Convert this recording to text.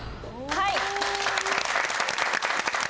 はい！